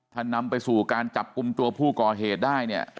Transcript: ถ้านำไปสู่การจับกลุ่มตัวผู้ก่อเหตุได้เนี่ย